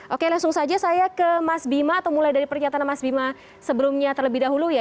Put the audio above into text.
oke langsung saja saya ke mas bima atau mulai dari pernyataan mas bima sebelumnya terlebih dahulu ya